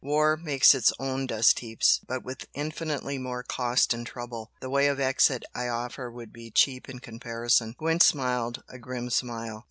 War makes its own dust heaps, but with infinitely more cost and trouble the way of exit I offer would be cheap in comparison!" Gwent smiled a grim smile.